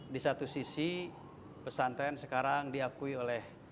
di satu sisi pesantren sekarang diakui oleh